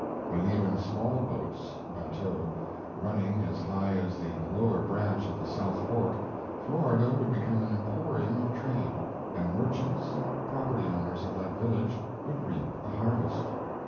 With even small boats (bateaux) running as high as the lower branch of the South Fork, Florida would become an emporium of trade, and merchants and property owners of that village would reap a harvest.